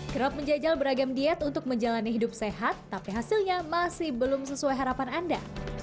kerap menjajal beragam diet untuk menjalani hidup sehat tapi hasilnya masih belum sesuai harapan anda